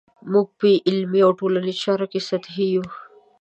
موږ په علمي او ټولنیزو چارو کې سطحي یو.